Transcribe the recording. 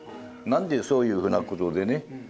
何でそういうふうなことでね